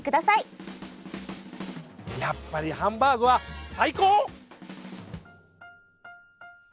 やっぱりハンバーグはサイコー！